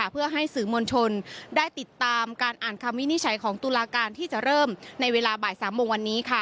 เพื่อให้สื่อมวลชนได้ติดตามการอ่านคำวินิจฉัยของตุลาการที่จะเริ่มในเวลาบ่าย๓โมงวันนี้